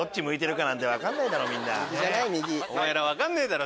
お前ら分かんねえだろ！